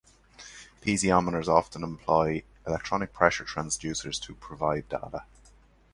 Piezometers often employ electronic pressure transducers to provide data.